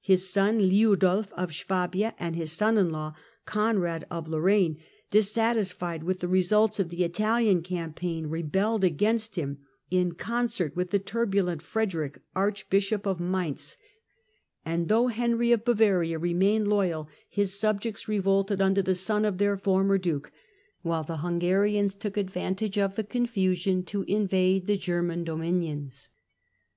His son Liudolf of Swabia, and Conrad and his sou iu law Conrad of Lorraine, dissatisfied with of Lor raine, 953 the results of the Italian campaign, rebelled against him, in concert with the turbulent Frederick, Archbishop of Mainz THE SAXON EMPERORS 13 (Mayence) ; and though Henry of Bavaria remained loyal, his subjects revolted under the son of their former duke, while the Hungarians took advantage of the confusion to invade the German dominions.